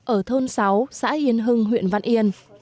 ở thôn sáu xã yên hưng huyện văn yên